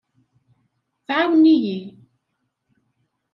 Tɛawen-iyi.